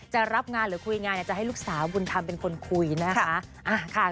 จะรับงานหรือคุยงานจะให้ลูกสาวบุญธรรมเป็นคนคุยนะคะ